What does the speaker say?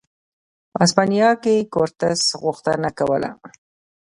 په هسپانیا کې کورتس غوښتنه کوله.